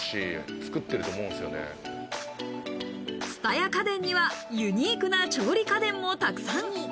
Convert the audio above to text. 蔦屋家電にはユニークな調理家電もたくさん。